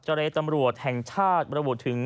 เจรตรรแห่งชาติประบูรถึง